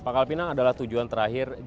pak kalpina adalah tujuan terakhir